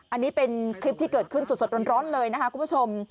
อันนี้เป็นคลิปที่เกิดขึ้นสดร้อนเลยนะคะคุณผู้ชม